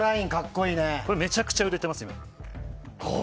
これめちゃくちゃ売れてますね。